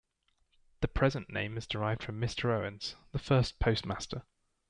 The present name is derived from Mr. Owens, the first postmaster.